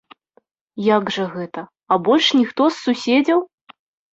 Як жа гэта, а больш ніхто з суседзяў?